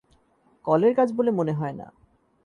কলের কাজ বলে হয় না।